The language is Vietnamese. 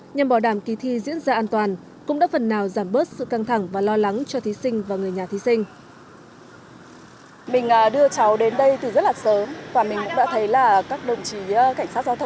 nhằm bảo đảm kỳ thi diễn ra an toàn cũng đã phần nào giảm bớt sự căng thẳng và lo lắng cho thí sinh và người nhà thí sinh